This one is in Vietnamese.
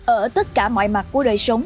ở tất cả mọi mặt của đời sống